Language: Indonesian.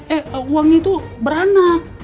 eh uangnya tuh beranak